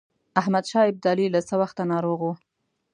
احمدشاه ابدالي له څه وخته ناروغ وو.